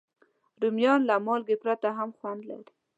رومیان له مالګې پرته هم خوند لري